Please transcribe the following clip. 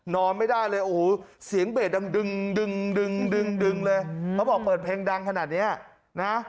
นอนไม่ได้เลยสีงเบดดึงเลยเขาบอกเปิดเพลงดังขนาดนี้นะ